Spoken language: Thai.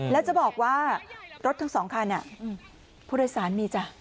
แล้วจะบอกว่ารถทั้งสองคันผู้โดยสารมีจ้ะ